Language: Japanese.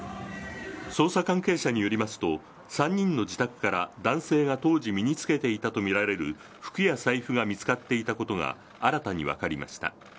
捜査関係者によりますと、３人の自宅から、男性が当時身につけていたと見られる服や財布が見つかっていたことが、新たに分かりました。